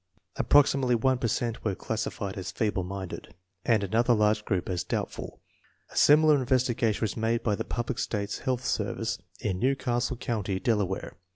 Approxi mately one per cent were classified as feeble minded, and another large group as doubtful. A similar in vestigation was made by the United States Public Health Service in New Castle County, Delaware.